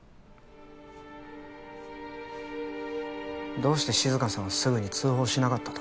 どうして静香さんはすぐに通報しなかったと思う？